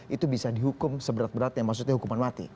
itu bisa dihukum seberat berat yang maksudnya hukuman mati